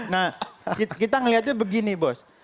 nah kita melihatnya begini bos